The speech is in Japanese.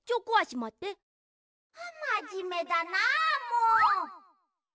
まじめだなあもう。